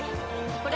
これ！